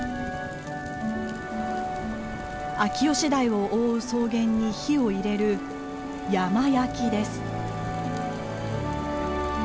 秋吉台を覆う草原に火を入れる山焼きです。